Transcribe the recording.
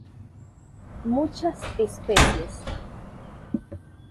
Muchas spp.